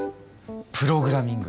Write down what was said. プログラミング。